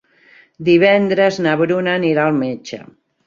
Divendres na Bruna anirà al metge.